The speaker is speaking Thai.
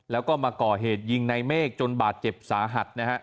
แล้วก็มาก่อเหตุยิงในเมฆจนบาดเจ็บสาหัสนะฮะ